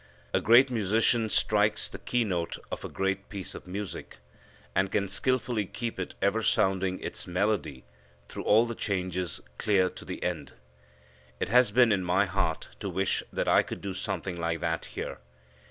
A great musician strikes the key note of a great piece of music, and can skilfully keep it ever sounding its melody through all the changes clear to the end. It has been in my heart to wish that I could do something like that here.